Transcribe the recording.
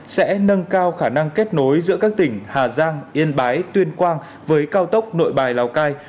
sẽ nâng cao khả năng kết nối giữa các tỉnh hà giang yên bái tuyên quang với cao tốc nội bài lào cai